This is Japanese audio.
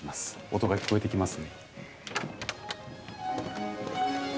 音が聞こえてきます。